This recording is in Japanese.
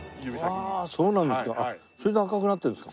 ああそうなんですか。